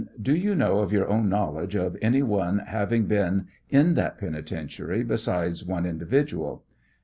Do you know of your own knowledge of any one having been in that penitentiary besides one individual?